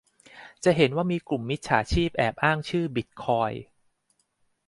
จะเห็นว่ามีกลุ่มมิจฉาชีพแอบอ้างชื่อบิตคอยน์